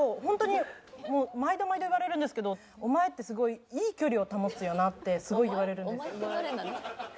本当に毎度毎度言われるんですけど「お前ってすごいいい距離を保つよな」ってすごい言われるんですよね。